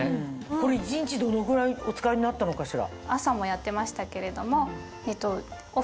これ一日どのぐらいお使いになったのかしら？